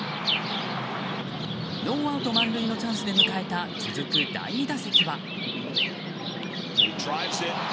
ノーアウト満塁のチャンスで迎えた、続く第２打席は。